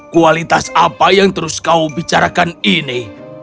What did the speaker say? kualitas apa yang terus kau bicarakan ini